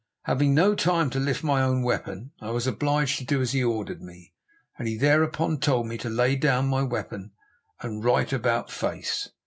Having no time to lift my own weapon I was obliged to do as he ordered me, and he thereupon told me to lay down my weapon and right about face.